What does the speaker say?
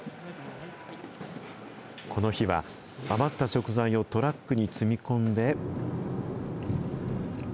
この日は余った食材をトラックに積み込んで。